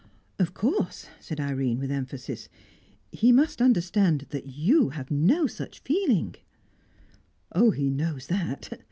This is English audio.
"Of course," said Irene, with emphasis. "He must understand that you have no such feeling " "Oh, he knows that!